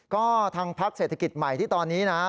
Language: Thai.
ก็ทางพักเศรษฐกิจใหม่ที่ตอนนี้นะ